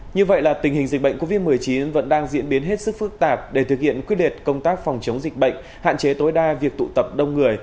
như vậy là tình hình dịch bệnh covid một mươi chín vẫn đang diễn biến hết sức phức tạp để thực hiện quyết liệt công tác phòng chống dịch bệnh hạn chế tối đa việc tụ tập đông người